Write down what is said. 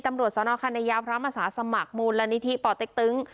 ตำรวจสาวนอคัณะยาวพระอาสาสมัครมูลละนิธิป่อตเต็กตึ้ง